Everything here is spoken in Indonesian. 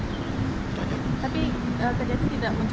ya pasti ada tapi ya itu internal lah ya